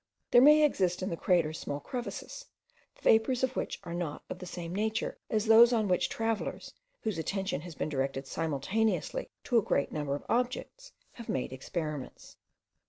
There may exist in the crater small crevices, the vapours of which are not of the same nature as those on which travellers, whose attention has been directed simultaneously to a great number of objects, have made experiments.